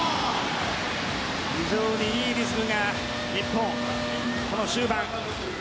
非常にいいリズム日本、この終盤。